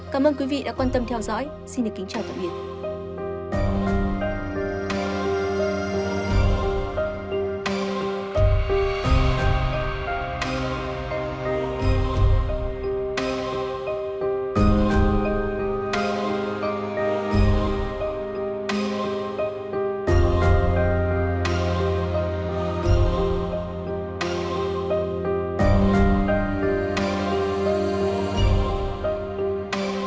cảm ơn quý vị đã quan tâm theo dõi xin kính chào và hẹn gặp lại